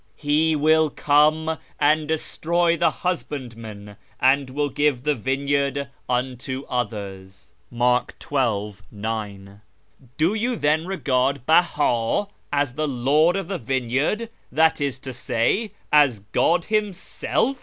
'He will come and destroy the husbandmen, and will give the vineyard unto others.'"^ "Do you then regard Beha as the Lord of the vineyard, that is to say, as God Himself